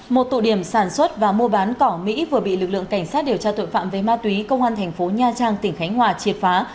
một tụ điểm sản xuất và mua bán cỏ mỹ vừa bị lực lượng cảnh sát điều tra tội phạm về ma túy công an thành phố nha trang tỉnh khánh hòa triệt phá